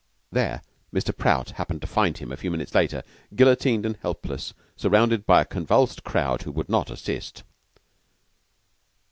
There Mr. Prout happened to find him a few minutes later, guillotined and helpless, surrounded by a convulsed crowd who would not assist.